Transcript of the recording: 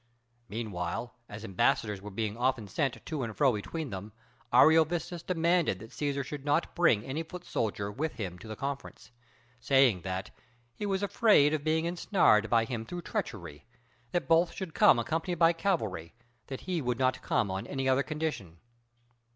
Meanwhile, as ambassadors were being often sent to and fro between them, Ariovistus demanded that Cæsar should not bring any foot soldier with him to the conference, saying that "he was afraid of being ensnared by him through treachery; that both should come accompanied by cavalry; that he would not come on any other condition."